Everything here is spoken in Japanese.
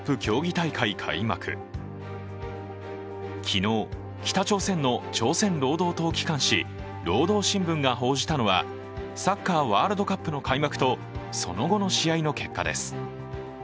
昨日、北朝鮮の朝鮮労働党機関紙「労働新聞」が報じたのはサッカーワールドカップの開幕とその後の試合の結果です。